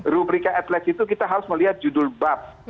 rubrika athletes itu kita harus melihat judul bab